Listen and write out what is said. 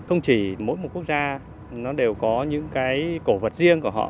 không chỉ mỗi một quốc gia nó đều có những cái cổ vật riêng của họ